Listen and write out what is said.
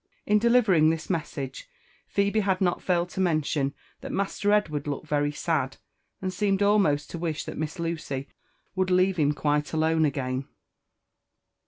In delivering this message, Phebe had not failed to mention that Master Edward looked very sad, and seemed almost to wish thai Miss Lucy would leave him quite alone again.